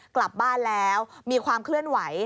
กลับบ้านแล้วมีความเคลื่อนไหว